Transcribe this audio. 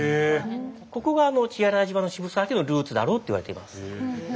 ここが血洗島の渋沢家のルーツだろうっていわれています。